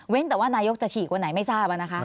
แต่ว่านายกจะฉีกวันไหนไม่ทราบนะคะ